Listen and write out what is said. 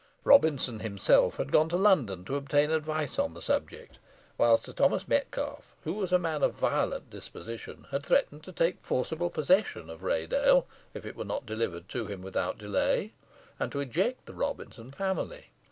Robinson himself had gone to London to obtain advice on the subject, while Sir Thomas Metcalfe, who was a man of violent disposition, had threatened to take forcible possession of Raydale, if it were not delivered to him without delay, and to eject the Robinson family.